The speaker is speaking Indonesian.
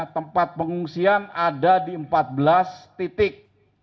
tempat pengungsian ada di empat belas titik